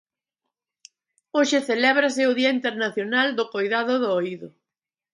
Hoxe celébrase o Día Internacional do Coidado do Oído.